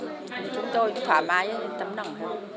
chúng tôi thỏa mái tấm đồng hồ